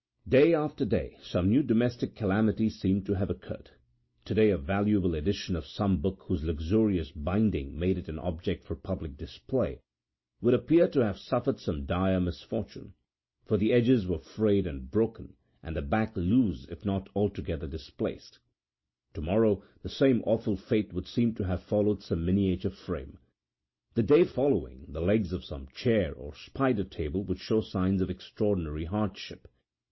Day after day some new domestic calamity seemed to have occurred. Today a valuable edition of some book whose luxurious binding made it an object for public display would appear to have suffered some dire misfortune, for the edges were frayed and broken and the back loose if not altogether displaced; tomorrow the same awful fate would seem to have followed some miniature frame; the day following the legs of some chair or spider table would show signs of extraordinary hardship.